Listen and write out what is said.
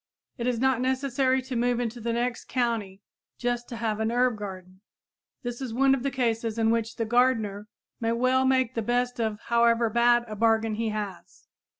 It is not necessary to move into the next county just to have an herb garden. This is one of the cases in which the gardener may well make the best of however bad a bargain he has.